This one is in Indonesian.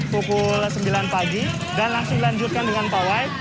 pukul sembilan pagi dan langsung dilanjutkan dengan pawai